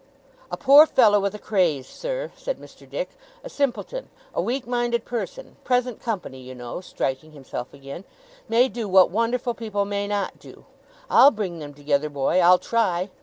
'A poor fellow with a craze, sir,' said Mr. Dick, 'a simpleton, a weak minded person present company, you know!' striking himself again, 'may do what wonderful people may not do. I'll bring them together, boy. I'll try.